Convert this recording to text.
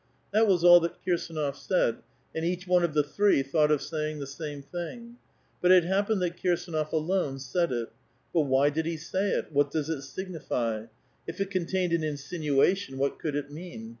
That was all that irs4uof said, and each one of the three thought of saying same thing ; but it happened that Kirsdnof alone said it. whj'did he say it? What does it signify? if it contained n insinuation, what could it mean